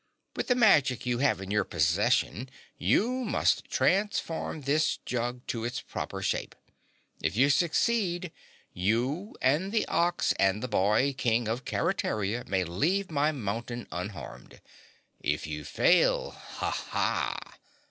With the magic you have in your possession, you must transform this jug to its proper shape. If you succeed, you and the Ox and the Boy King of Keretaria may leave my mountain unharmed. If you fail, ha ha!"